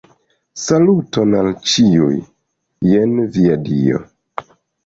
Saluton al ĉiuj, jen via dio.